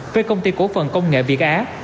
với công ty cổ phần công nghệ việt á